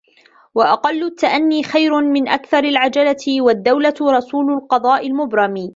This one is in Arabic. وَأَقَلُّ التَّأَنِّي خَيْرٌ مِنْ أَكْثَرِ الْعَجَلَةِ ، وَالدَّوْلَةُ رَسُولُ الْقَضَاءِ الْمُبْرَمِ